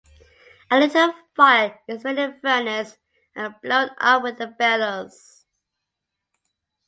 A little fire is made in the furnace and blown up with the bellows.